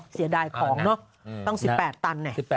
เสียดายของเนอะต้อง๑๘ตัน